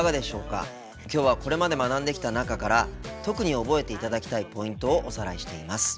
今日はこれまで学んできた中から特に覚えていただきたいポイントをおさらいしています。